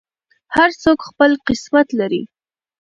هر څوک خپل قسمت لري.